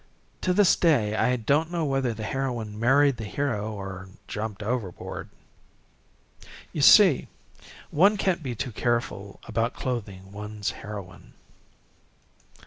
To this day I don't know whether the heroine married the hero or jumped overboard. You see, one can't be too careful about clothing one's heroine.